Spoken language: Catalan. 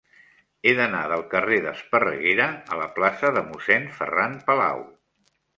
He d'anar del carrer d'Esparreguera a la plaça de Mossèn Ferran Palau.